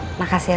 jangan kasih tahu